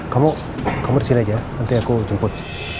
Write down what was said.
kamu kamu di sini aja ya nanti aku jemput